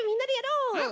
うん！